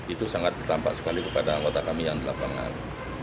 itu sangat bertampak sekali kepada anggota kami yang telah pengalaman